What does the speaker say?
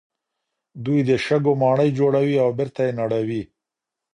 دوی د شګو ماڼۍ جوړوي او بېرته یې نړوي.